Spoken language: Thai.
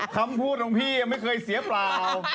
คำพูดของพี่ยังไม่เคยเสียเปล่า